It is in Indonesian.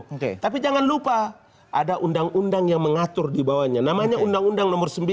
oke tapi jangan lupa ada undang undang yang mengatur dibawanya namanya undang undang nomor